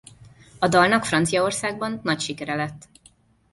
A dalnak Franciaországban nagy siere lett.